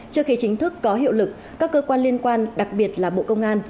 trước khi chính thức có hiệu lực các cơ quan liên quan đặc biệt là bộ công an